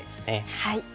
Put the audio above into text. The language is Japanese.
はい。